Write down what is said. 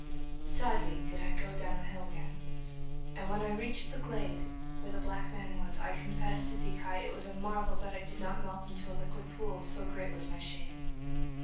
'Sadly did I go down the hill again, and when I reached the glade where the black man was, I confess to thee, Kai, it was a marvel that I did not melt into a liquid pool, so great was my shame.